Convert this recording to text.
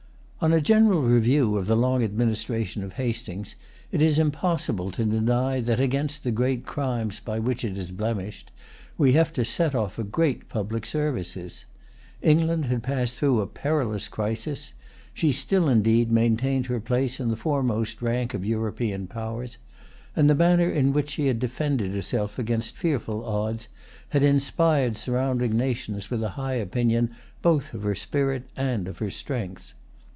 On a general review of the long administration of Hastings, it is impossible to deny that, against the great crimes by which it is blemished, we have to set off great public services. England had passed through a perilous crisis. She still, indeed, maintained her place in the foremost rank of European powers; and the manner in which she had defended herself against fearful odds had inspired surrounding nations with a high opinion both of her spirit and of her strength.